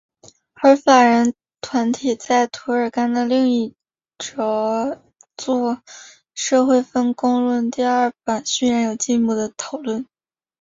而法人团体在涂尔干的另一着作社会分工论第二版序言有进一步的讨论。